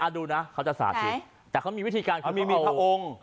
ดูนะเขาจะสาธิตแต่เขามีวิธีการเขามีพระองค์